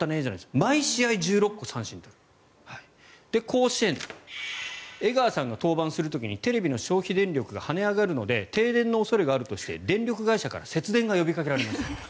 甲子園江川さんが登板する時にテレビの消費電力が跳ね上がるので停電の恐れがあるとして電力会社から節電が呼びかけられました。